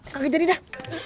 kagak jadi dah